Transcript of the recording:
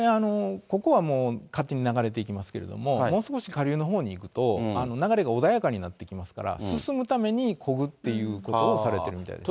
ここはもう勝手に流れていきますけど、もう少し下流のほうに行くと、流れが穏やかになってきますから、進むためにこぐっていうことをされているみたいですね。